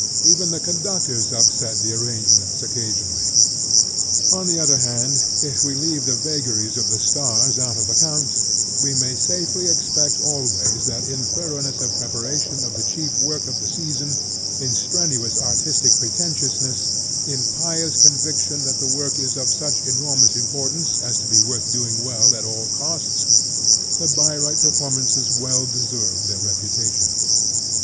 Even the conductors upset the arrangements occasionally. On the other hand, if we leave the vagaries of the stars out of account, we may safely expect always that in thoroughness of preparation of the chief work of the season, in strenuous artistic pretentiousness, in pious conviction that the work is of such enormous importance as to be worth doing well at all costs, the Bayreuth performances will deserve their reputation.